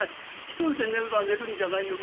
『一人で寝るのは寝るんじゃないよ。